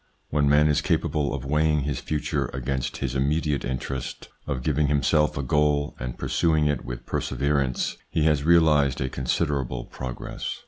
When man is capable of weighing his future against his immediate interest, of giving himself a goal and pursuing it with perseverance, he has realised a considerable progress.